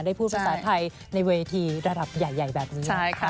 ได้พูดภาษาไทยในเวทีระดับใหญ่แบบนี้นะคะใช่ค่ะ